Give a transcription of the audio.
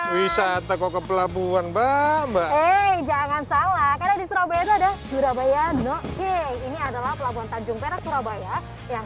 wisata kok ke pelabuhan mbak jangan salah ini adalah pelabuhan tanjung perak surabaya yang